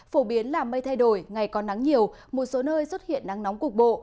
phổ biến là mây thay đổi ngày có nắng nhiều một số nơi xuất hiện nắng nóng cục bộ